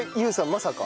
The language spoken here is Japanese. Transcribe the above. まさか。